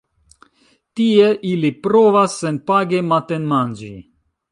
Tie ili provas senpage matenmanĝi.